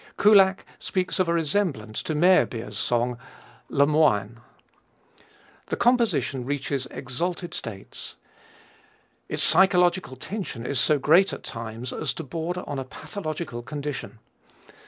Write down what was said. Kullak speaks of a resemblance to Meyerbeer's song, Le Moine. The composition reaches exalted states. Its psychological tension is so great at times as to border on a pathological condition.